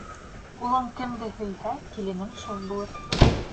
Улың кемде һөйһә, киленең шул булыр